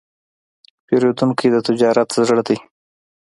پیرودونکی د تجارت زړه دی.